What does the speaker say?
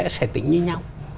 sẽ tính như nhau